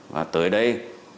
và tới đây